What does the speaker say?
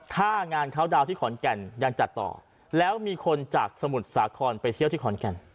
ถ้างานเขาดาวน์ที่ขอนแก่นยังจัดต่อแล้วมีคนจากสมุทรสาครไปเที่ยวที่ขอนแก่น